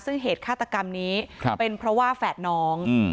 ซึ่งเหตุฆาตกรรมนี้เป็นเพราะว่าแฝดน้อง